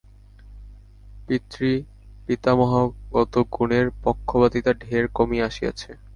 পিতৃপিতামহাগত গুণের পক্ষপাতিতা ঢের কমিয়া আসিয়াছে।